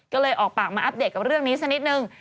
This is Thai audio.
ก็เลยออกปากมาอัปเดตกับเรื่องนี้สักนิดนึง